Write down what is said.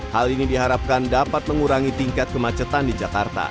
hal ini diharapkan dapat mengurangi tingkat kemacetan di jakarta